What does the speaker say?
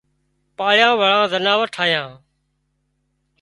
پاۯيا واۯان زناور ٺاهيان